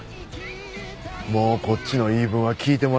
もうこっちの言い分は聞いてもらえるわけやな。